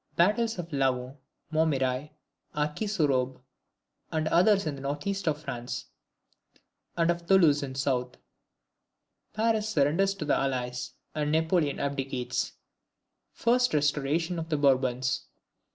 Battles of Laon, Montmirail, Arcis sur Aube, and others in the north east of France; and of Toulouse in the south. Paris surrenders to the Allies, and Napoleon abdicates. First restoration of the Bourbons.